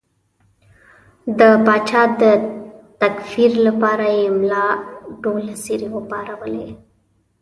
د پاچا د تکفیر لپاره یې ملا ډوله څېرې وپارولې.